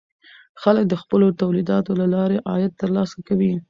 خلک د خپلو تولیداتو له لارې عاید ترلاسه کوي.